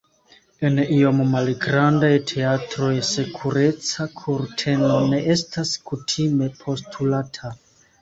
En iom malgrandaj teatroj, sekureca kurteno ne estas kutime postulata.